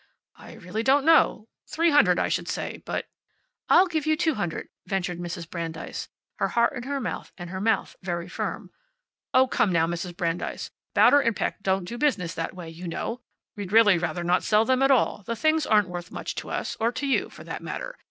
"I really don't know. Three hundred, I should say. But " "I'll give you two hundred," ventured Mrs. Brandeis, her heart in her mouth and her mouth very firm. "Oh, come now, Mrs. Brandeis! Bauder & Peck don't do business that way, you know. We'd really rather not sell them at all. The things aren't worth much to us, or to you, for that matter.